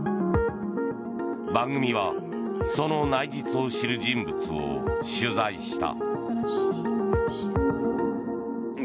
番組はその内実を知る人物を取材した。